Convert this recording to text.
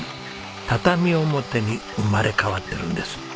畳表に生まれ変わってるんです。